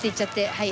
はい